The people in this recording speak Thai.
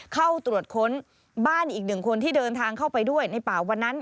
เข้าตรวจค้นบ้านอีกหนึ่งคนที่เดินทางเข้าไปด้วยในป่าวันนั้น